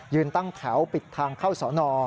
ตั้งแถวปิดทางเข้าสอนอ